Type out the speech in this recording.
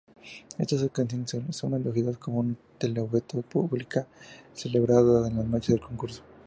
Estas canciones son elegidos por un televoto pública celebrada en la noche del concurso.